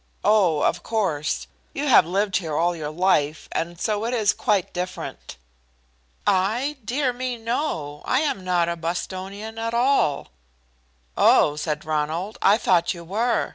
"Oh, of course. You have lived here all your life, and so it is quite different." "I? Dear me no! I am not a Bostonian at all." "Oh," said Ronald, "I thought you were.